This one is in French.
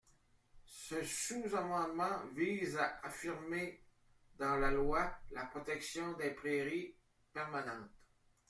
Ce sous-amendement vise à affirmer dans la loi la protection des prairies permanentes.